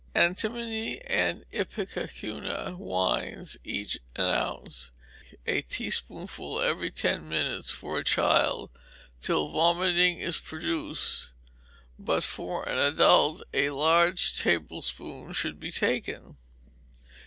Antimony and ipecacuanha wines, of each an ounce; a teaspoonful every ten minutes for a child till vomiting is produced; but for an adult a large tablespoonful should be taken.